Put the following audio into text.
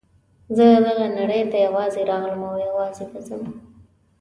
زه دغه نړۍ ته یوازې راغلم او یوازې به ځم.